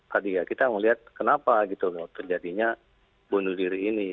tadi ya kita melihat kenapa gitu loh terjadinya bunuh diri ini